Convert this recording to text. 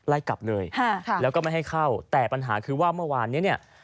ไล่กลับเลยแล้วก็ไม่ให้เข้าแต่ปัญหาคือว่าเมื่อวานเนี้ย